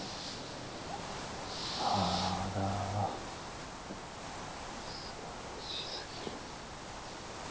あすばらしすぎる。